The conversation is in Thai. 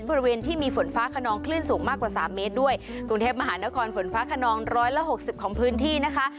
บริเวณที่มีฝนฟ้าขนองคลื่นสูงมากกว่าสามเมตรด้วยกรุงเทพมหานครฝนฟ้าขนองร้อยละหกสิบของพื้นที่นะคะ